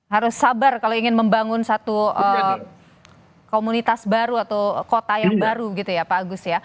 harus sabar kalau ingin membangun satu komunitas baru atau kota yang baru gitu ya pak agus ya